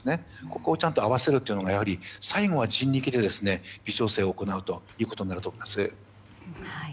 ここをちゃんと合わせるというのが最後は人力で微調整を行うということになると思います。